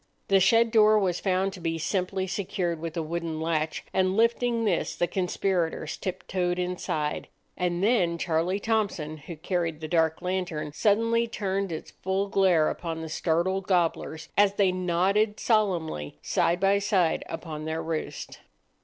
The shed door was found to be simply secured with a wooden latch, and lifting this the conspirators tip toed inside; and then Charlie Thompson, who carried the dark lantern, suddenly turned its glare full upon the startled gobblers as they nodded solemnly side by side upon their roost.